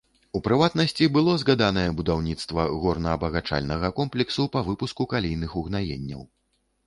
У прыватнасці, было згаданае будаўніцтва горна-абагачальнага комплексу па выпуску калійных угнаенняў.